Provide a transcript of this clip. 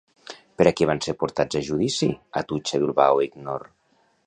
Per a què van ser portats a judici Atutxa, Bilbao i Knorr?